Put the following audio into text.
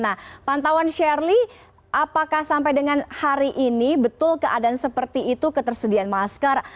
nah pantauan sherly apakah sampai dengan hari ini betul keadaan seperti itu ketersediaan masker